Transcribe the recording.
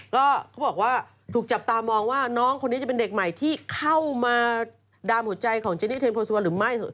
ก็เขาบอกว่าถูกจับตามองว่าน้องคนนี้จะเป็นเด็กใหม่ที่เข้ามาดามหัวใจของเจนี่เทนโพสุวรรณหรือไม่